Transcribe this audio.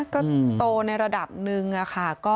ก็โตในระดับหนึ่งค่ะ